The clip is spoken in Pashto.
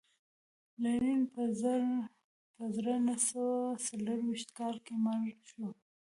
لینین په زر نه سوه څلرویشت کال کې مړ شو